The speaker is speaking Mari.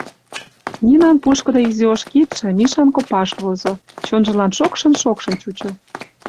Нинан пушкыдо изи ош кидше Мишан копаш возо, чонжылан шокшын-шокшын чучо.